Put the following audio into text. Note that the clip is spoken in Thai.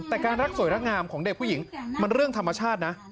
แต่การรักสวยรักงามของเด็กผู้หญิงมันเรื่องธรรมชาตินะ